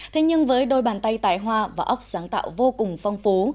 thế nhưng với đôi bàn tay tài hoa và ốc sáng tạo vô cùng phong phú